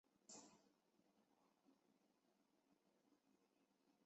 卡纳比街是英国的一条街道。